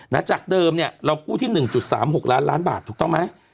จากเดิมเนี่ยเรากู้ที่๑๓๖ล้านล้านบาทถูกต้องไหม